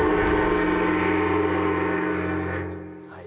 はい。